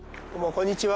こんにちは。